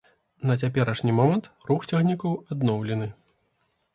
На цяперашні момант рух цягнікоў адноўлены.